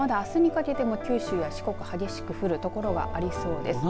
まだあすにかけても九州や四国激しく降る所がありそうです。